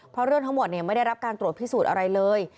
เพราะเรื่องทั้งหมดไม่ได้รับการตรวจพิสูจน์อะไรเลย